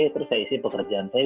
terus saya isi pekerjaan saya